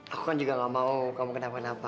aku kan juga gak mau kamu kenapa napa